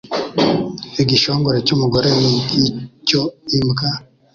Igishongore cy’umugore ni nk’icyo imbwa